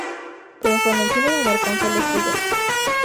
Pero fue en el cine donde alcanzó el estrellato.